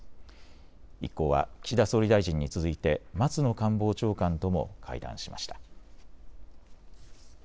一行は岸田総理大臣に続いて松野官房長官とも会談しました。